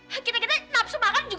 juga jadi hilang